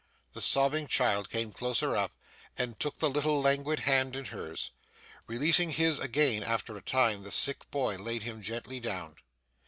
The sobbing child came closer up, and took the little languid hand in hers. Releasing his again after a time, the sick boy laid him gently down.